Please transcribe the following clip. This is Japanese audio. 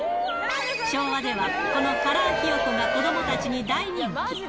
昭和では、このカラーひよこが子どもたちに大人気。